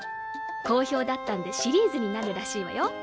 好評だったんでシリーズになるらしいわよ。